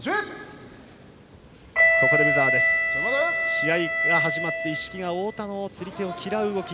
試合が始まって一色が太田の釣り手を嫌う動き